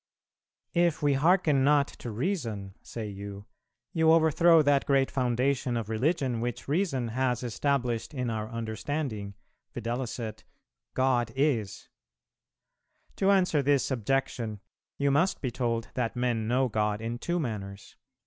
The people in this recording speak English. "If we hearken not to Reason, say you, you overthrow that great foundation of Religion which Reason has established in our understanding, viz. God is. To answer this objection, you must be told that men know God in two manners.